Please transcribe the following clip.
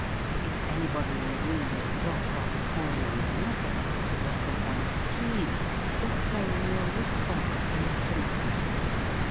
If anybody in the room will drop one coin on another or rattle a bunch of keys, the flame will respond instantly.